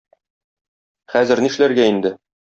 Хәзер нишләргә инде?